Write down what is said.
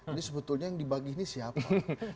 ini sebetulnya yang dibagi ini siapa